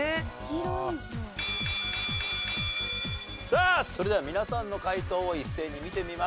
さあそれでは皆さんの解答を一斉に見てみましょう。